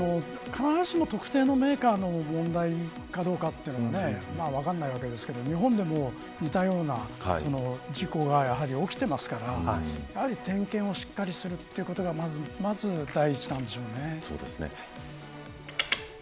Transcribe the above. でも、必ずしも特定のメーカーの問題かどうかというのは分からないわけですが日本でも似たような事故がやはり起きていますから点検をしっかりするということがまず第一なんでしょうね。